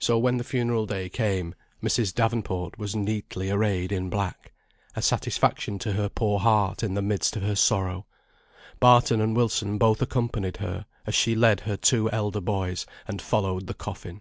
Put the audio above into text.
So when the funeral day came, Mrs. Davenport was neatly arrayed in black, a satisfaction to her poor heart in the midst of her sorrow. Barton and Wilson both accompanied her, as she led her two elder boys, and followed the coffin.